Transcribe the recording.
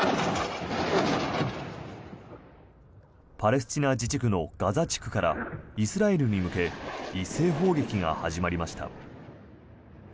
パレスチナ自治区のガザ地区からイスラエルに向け一斉砲撃が始まりました。